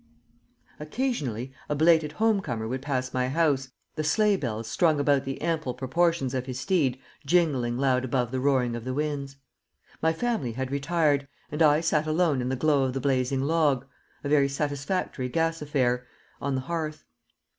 Occasionally a belated home comer would pass my house, the sleigh bells strung about the ample proportions of his steed jingling loud above the roaring of the winds. My family had retired, and I sat alone in the glow of the blazing log a very satisfactory gas affair on the hearth.